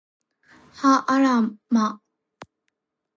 はあら、ま